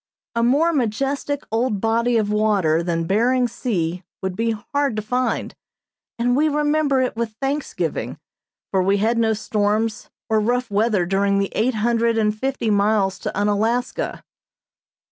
A more majestic old body of water than Behring Sea would be hard to find; and we remember it with thanksgiving, for we had no storms or rough weather during the eight hundred and fifty miles to Unalaska.